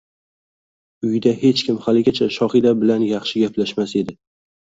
Uyida hech kim haligacha Shohida bilan yaxshi gaplashmas edi